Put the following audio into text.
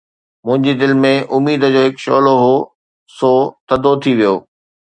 منهنجي دل ۾ اميد جو هڪ شعلو هو، سو ٿڌو ٿي ويو